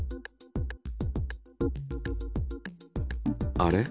あれ？